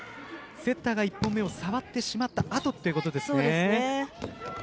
セッターが１本目を触ってしまった後ということですね。